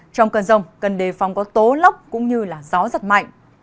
trong cơn rông cân đề phong có tố lóc cũng như gió giật mạnh